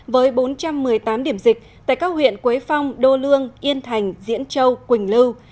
với bốn trăm một mươi tám điểm dịch tại các huyện quế phong đô lương yên thành diễn châu quỳnh lưu